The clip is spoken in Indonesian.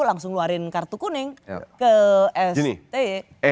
langsung luarin kartu kuning ke sti